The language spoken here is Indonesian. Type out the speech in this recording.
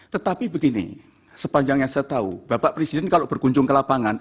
tetapi begini sepanjang yang saya tahu bapak presiden kalau berkunjung ke lapangan